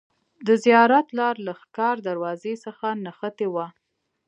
د زیارت لار له ښکار دروازې څخه نښتې وه.